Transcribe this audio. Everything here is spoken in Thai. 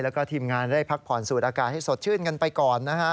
แล้วก็ทีมงานได้พักผ่อนสูดอากาศให้สดชื่นกันไปก่อนนะฮะ